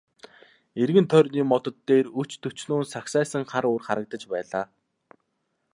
Эргэн тойрны модод дээр өч төчнөөн сагсайсан хар үүр харагдаж байлаа.